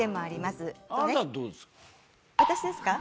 私ですか？